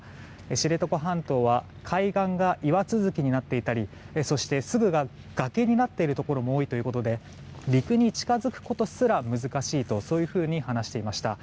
知床半島は海岸が岩続きになっていたり崖になっているところも多いということで陸に近づくことすら難しいと話していました。